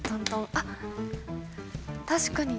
あっ確かに。